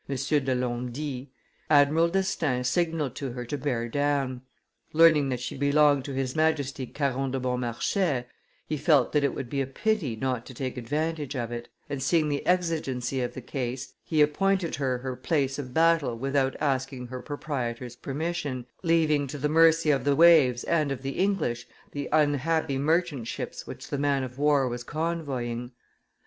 de Lomdnie, "Admiral d'Estaing signalled to her to bear down; learning that she belonged to his majesty Caron de Beaumarchais, he felt that it would be a pity not to take advantage of it, and, seeing the exigency of the case, he appointed her her place of battle without asking her proprietor's permission, leaving to the mercy of the waves and of the English the unhappy merchant ships which the man of war was convoying.